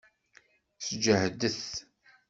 Sǧehdet!